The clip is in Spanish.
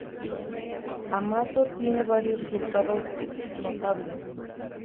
Amato tiene varios resultados notables.